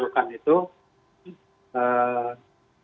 sedikit demi sedikit yang saya kumpulkan itu